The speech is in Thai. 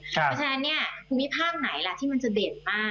เพราะฉะนั้นเนี่ยภูมิภาคไหนล่ะที่มันจะเด่นมาก